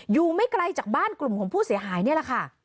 อยู่ไม่ไกลจากบ้านกลุ่มของผู้เสียหายนี่แหละค่ะ